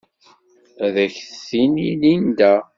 Ad ak-t-tini Linda.